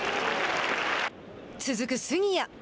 続く杉谷。